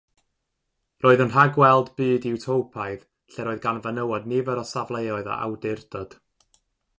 Roedd yn rhagweld byd iwtopaidd lle'r oedd gan fenywod nifer o safleoedd o awdurdod.